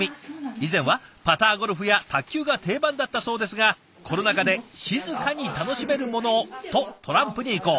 以前はパターゴルフや卓球が定番だったそうですがコロナ禍で静かに楽しめるものをとトランプに移行。